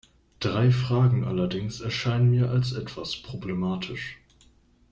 Drei Fragen allerdings erscheinen mir als etwas problematisch.